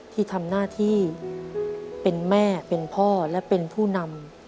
ที่ทำหน้าที่เป็นแม่เป็นพ่อและเป็นผู้นำ